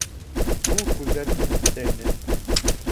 Ул күҙҙәрен йомоп эсә ине.